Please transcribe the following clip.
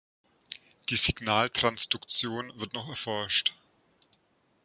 Die Signaltransduktion wird noch erforscht.